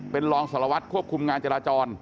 เป็นรองสารวัตรควบคุมงานจราจร